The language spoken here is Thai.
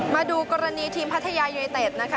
มาดูกรณีทีมพัทยายูเนเต็ดนะคะ